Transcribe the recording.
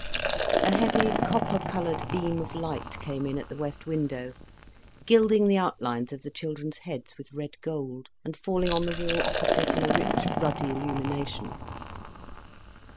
A heavy, copper coloured beam of light came in at the west window, gilding the outlines of the children's heads with red gold, and falling on the wall opposite in a rich, ruddy illumination.